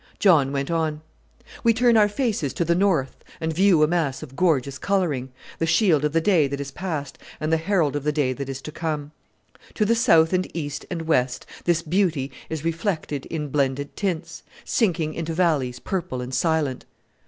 John went on, "We turn our faces to the north and view a mass of gorgeous colouring the shield of the day that is past and the herald of the day that is to come. To the south and east and west this beauty is reflected in blended tints, sinking into valleys purple and silent.